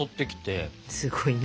すごいね。